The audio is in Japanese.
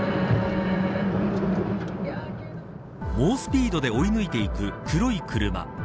猛スピードで追い抜いていく黒い車。